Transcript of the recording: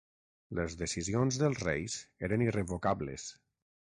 Les decisions dels reis eren irrevocables.